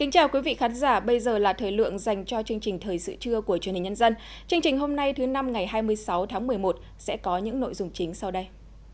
chương trình hôm nay thứ năm ngày hai mươi sáu tháng một mươi một sẽ có những nội dung chính sau đây